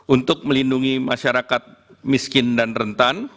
untuk melindungi masyarakat miskin dan rentan